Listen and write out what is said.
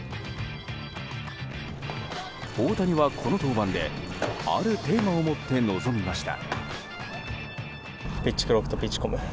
大谷は、この登板であるテーマを持って臨みました。